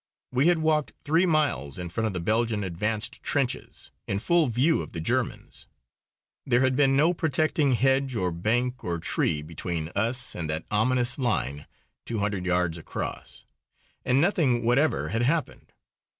We had walked three miles in front of the Belgian advanced trenches, in full view of the Germans. There had been no protecting hedge or bank or tree between us and that ominous line two hundred yards across. And nothing whatever had happened.